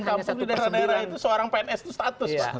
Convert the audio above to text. kampus di daerah daerah itu seorang pns itu status pak